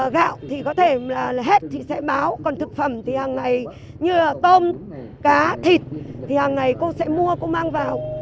gạo thì có thể hết chị sẽ báo còn thực phẩm thì hàng ngày như là tôm cá thịt thì hàng ngày cô sẽ mua cô mang vào